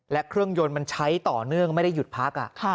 และเครื่องยนต์มันใช้ต่อเนื่องไม่ได้หยุดพัก